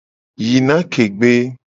Yi anake gbe.